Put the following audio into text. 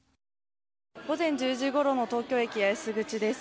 午前１０時ごろの東京駅八重洲口です。